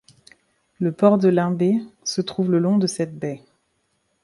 Le port de Limbé se trouve le long de cette baie.